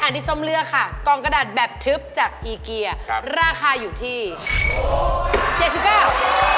อันนี้ถูกมากถูกแล้ว